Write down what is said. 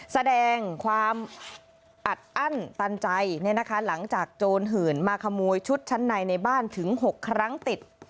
แสดงความอัดอั้นตันใจหลังจากโจรหื่นมาขโมยชุดชั้นในในบ้านถึง๖ครั้งติด